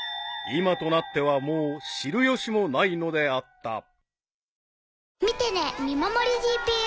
［今となってはもう知る由もないのであった］